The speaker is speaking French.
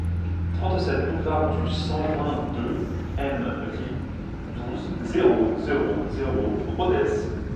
trente-sept boulevard du cent vingt-deux Eme Ri, douze, zéro zéro zéro, Rodez